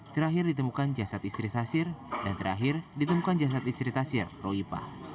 terakhir ditemukan jasad istri tasir dan terakhir ditemukan jasad istri tasir roypah